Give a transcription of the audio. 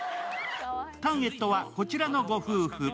ターゲットはこちらのご夫婦。